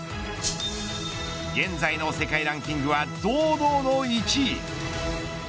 現在の世界ランキングは堂々の１位。